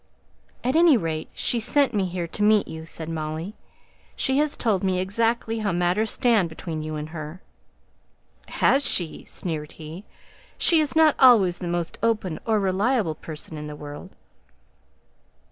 "At any rate she sent me here to meet you," said Molly. "She has told me exactly how matters stand between you and her." "Has she?" sneered he. "She is not always the most open or reliable person in the world!"